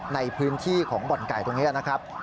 ในพื้นที่ของบ่อนไก่ตรงนี้นะครับ